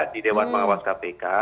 di dewan pengawas kpk